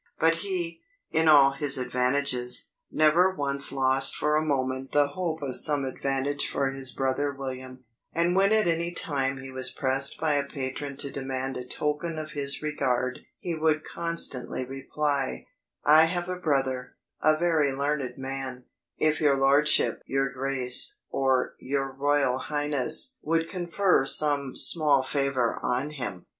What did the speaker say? But he, in all his advantages, never once lost for a moment the hope of some advantage for his brother William: and when at any time he was pressed by a patron to demand a "token of his regard," he would constantly reply "I have a brother, a very learned man, if your lordship (your grace, or your royal highness) would confer some small favour on him!"